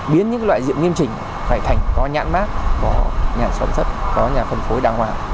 biến những loại rượu nghiêm chỉnh lại thành có nhãn mát có nhà sản xuất có nhà phân phối đàng hoàng